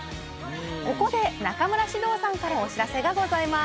ここで中村獅童さんからお知らせがございます